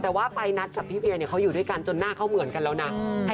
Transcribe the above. แต่ว่าไปนัทกับพี่เวียเนี่ยเขาอยู่ด้วยกันจนหน้าเขาเหมือนกันแล้วนะ